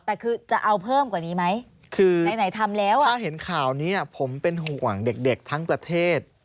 แต่คือจะเอาเพิ่มกว่านี้ไหมคือไหนทำแล้วอ่ะถ้าเห็นข่าวนี้ผมเป็นห่วงเด็กทั้งประเทศ